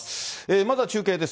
まずは中継です。